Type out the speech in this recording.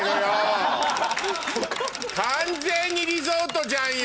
完全にリゾートじゃんよ！